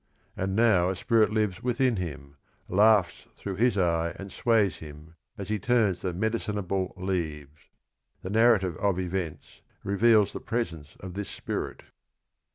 And now a spirit lives within him, laughs through his eye and sways him, as he turns the "medicinable leaves." The narrative of events reveals the presence of this spirit.